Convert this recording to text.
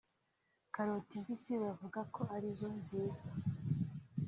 Karoti mbisi bavuga ko ari zo nziza